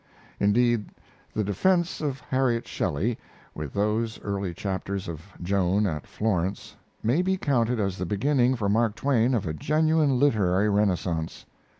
Indeed, the "Defense of Harriet Shelly," with those early chapters of Joan at Florence, maybe counted as the beginning for Mark Twain of a genuine literary renaissance.